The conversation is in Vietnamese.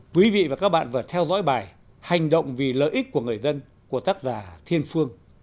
quý vị và các bạn vừa theo dõi bài hành động vì lợi ích của người dân của tác giả thiên phương